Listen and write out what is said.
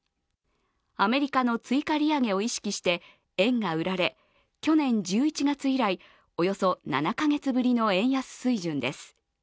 アメリカの追加利上げを意識して円が売られ去年１１月以来およそ７か月ぶりの円安水準です。